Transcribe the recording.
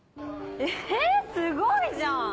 えすごいじゃん！